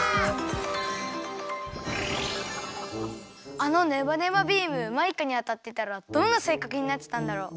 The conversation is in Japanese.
あのネバネバビームマイカにあたってたらどんなせいかくになってたんだろう？